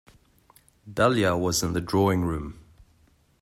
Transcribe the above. Dahlia was in the drawing-room.